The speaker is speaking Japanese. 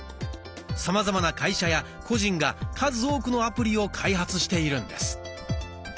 さまざまな会社や個人が数多くのアプリを開発しているんです。